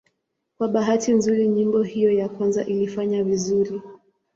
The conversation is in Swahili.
Kwa bahati nzuri nyimbo hiyo ya kwanza ilifanya vizuri.